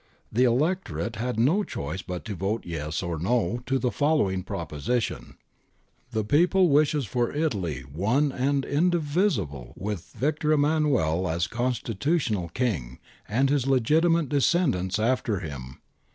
The elector ate had no choice but to vote^^s or no to the following proposition :' The people wishes for Italy one and indi visible with Victor Emmanuel as Constitutional King, and his legitimate descendants after him.'